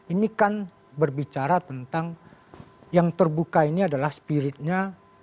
ini kan berbicara tentang yang terbuka ini adalah spiritnya